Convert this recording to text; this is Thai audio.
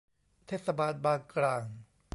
เทศบาลบางกร่าง